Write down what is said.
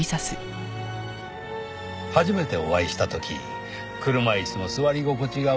初めてお会いした時車椅子の座り心地が悪そうで。